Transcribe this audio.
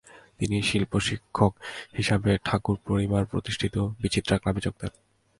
তিনি শিল্প-শিক্ষক হিসাবে ঠাকুর পরিবার প্রতিষ্ঠিত "বিচিত্রা ক্লাবে" যোগ দেন।